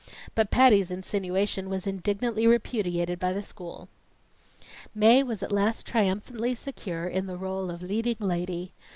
But Patty's insinuation was indignantly repudiated by the school. Mae was at last triumphantly secure in the rôle of leading lady.